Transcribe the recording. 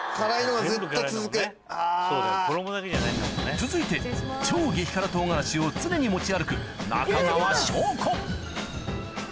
続いて超激辛唐辛子を常に持ち歩く